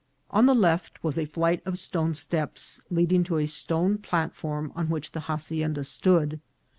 On the left was a flight of stone steps, leading to a stone plat form on which the hacienda stood.